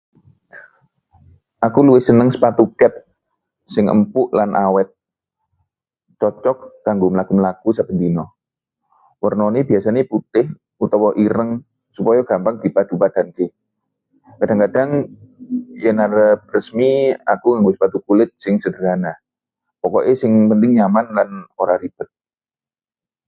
Aku luwih seneng sepatu kets sing empuk lan awet, cocok kanggo mlaku-mlaku saben dina. Warnané biasane putih utawa ireng supaya gampang dipadu-padanke. Kadhang-kadhang yen arep resmi, aku nganggo sepatu kulit sing sederhana. Pokoke sing penting nyaman lan ora ribet.